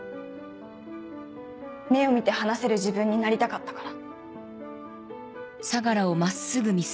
目を見て話せる自分になりたかったから。